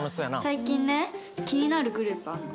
最近ね気になるグループあるの。